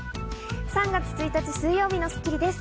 ３月１日、水曜日の『スッキリ』です。